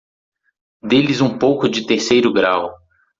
Dê-lhes um pouco de terceiro grau.